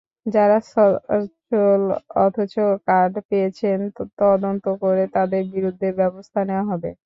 যাঁরা সচ্ছল অথচ কার্ড পেয়েছেন, তদন্ত করে তাঁদের বিরুদ্ধে ব্যবস্থা নেওয়া হবে।